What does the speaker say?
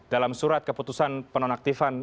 dalam surat keputusan penonaktifan